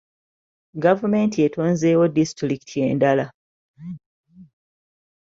Gavumenti etonzeewo disitulikiti endala.